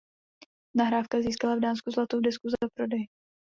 Nahrávka získala v Dánsku zlatou desku za prodej.